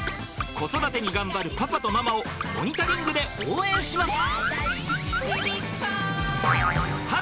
子育てに頑張るパパとママをモニタリングで応援します！